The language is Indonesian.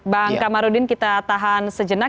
bang kamarudin kita tahan sejenak